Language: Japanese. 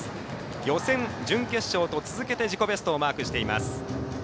予選、準決勝と続けて自己ベストをマークしています。